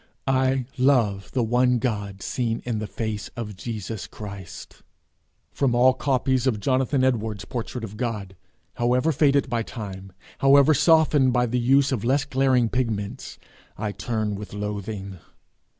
I love the one God seen in the face of Jesus Christ. From all copies of Jonathan Edwards's portrait of God, however faded by time, however softened by the use of less glaring pigments, I turn with loathing.